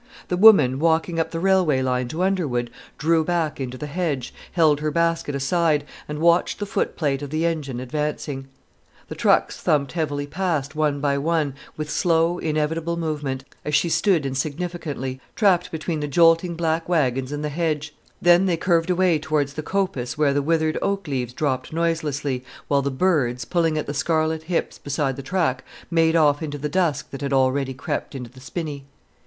A woman, walking up the railway line to Underwood, drew back into the hedge, held her basket aside, and watched the footplate of the engine advancing. The trucks thumped heavily past, one by one, with slow inevitable movement, as she stood insignificantly trapped between the jolting black waggons and the hedge; then they curved away towards the coppice where the withered oak leaves dropped noiselessly, while the birds, pulling at the scarlet hips beside the track, made off into the dusk that had already crept into the spinney.